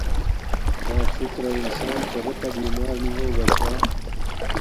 صاف ستھرا انسان کابے تا بیمار نی ہوگا چھا